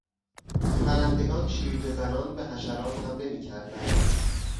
پرندگان شیرجهزنان به حشرات حمله میکردند.